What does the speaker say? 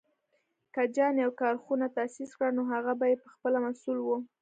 که جان يو کارخونه تاسيس کړه، نو هغه به یې پهخپله مسوول و.